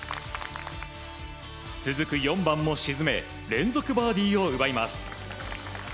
続く、４番も沈め連続バーディーを奪います。